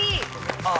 ああ